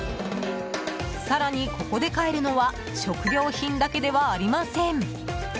更に、ここで買えるのは食料品だけではありません。